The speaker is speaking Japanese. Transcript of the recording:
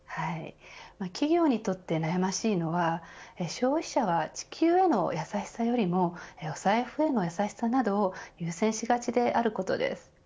企業にとって悩ましいのは消費者は地球への優しさよりもお財布への優しさなどを優先しがちであることです。